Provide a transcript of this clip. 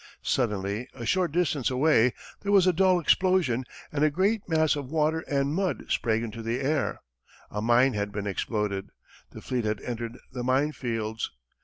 Suddenly, a short distance away, there was a dull explosion, and a great mass of water and mud sprang into the air. A mine had been exploded; the fleet had entered the mine fields.